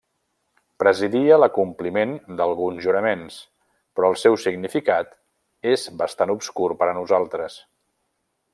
Presidia l'acompliment d'alguns juraments, però el seu significat és bastant obscur per a nosaltres.